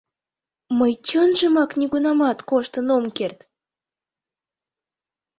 Мый чынжымак нигунамат коштын ом керт?